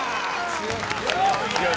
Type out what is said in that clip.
強い。